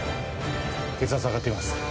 血圧上がっています